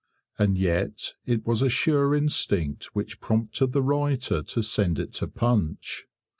And yet it was a sure instinct which prompted the writer to send it to 'Punch'.